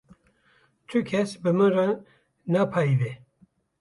Ti kes bi min re napeyive.